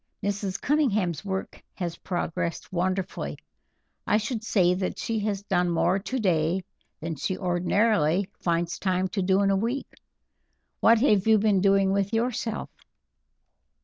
Mrs. Cunningham's work has progressed wonderfully. I should say that she has done more today than she ordinarily finds time to do in a week. What have you been doing with yourself?"